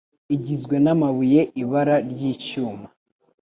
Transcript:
igizwe n'amabuye ibara ry'icyuma